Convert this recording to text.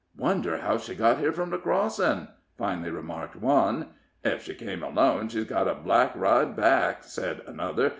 "Wonder how she got here from the crossin'?" finally remarked one. "Ef she came alone, she's got a black ride back," said another.